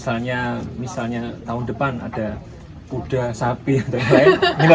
kalau misalnya tahun depan ada kuda sapi atau yang lain